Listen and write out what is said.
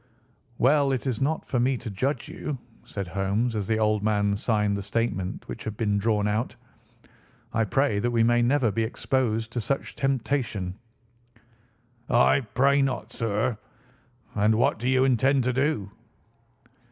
"Well, it is not for me to judge you," said Holmes as the old man signed the statement which had been drawn out. "I pray that we may never be exposed to such a temptation." "I pray not, sir. And what do you intend to do?"